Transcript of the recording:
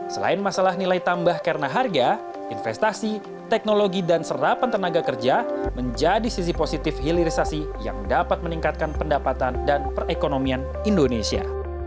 selain masalah nilai tambah karena harga investasi teknologi dan serapan tenaga kerja menjadi sisi positif hilirisasi yang dapat meningkatkan pendapatan dan perekonomian indonesia